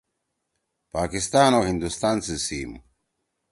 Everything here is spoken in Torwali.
پاکستان او ہندوستان سی سیِم۔